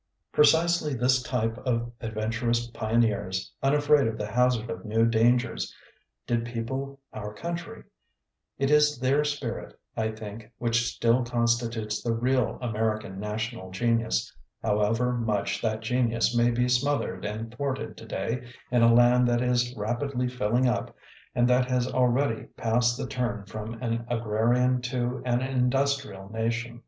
Precisely this type of ad venturous pioneers, unafraid of the hazard of new dangers, did people our country: it is their spirit, I think, which still constitutes the real Amer ican national genius, however much that genius may be smothered and thwarted today in a land that is rap idly filling up and that has already passed the turn from an agrarian to an industrial nation.